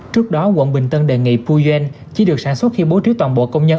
trước đó quận bình tân đề nghị puyen chỉ được sản xuất khi bố trí toàn bộ công nhân